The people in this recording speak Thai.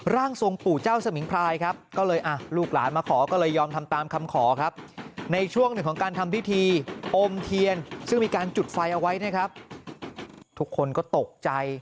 ร่างทรงปู่เจ้าสมิงพรายครับก็เลยลูกหลานมาขอก็เลยยอมทำตามคำขอครับในช่วงหนึ่งของการทำพิธีอมเทียนซึ่งมีการจุดไฟเอาไว้นะครับทุกคนก็ตกใจ